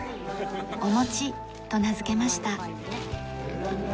おもちと名付けました。